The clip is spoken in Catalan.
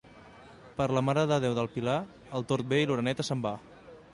Per la Mare de Déu del Pilar, el tord ve i l'oreneta se'n va.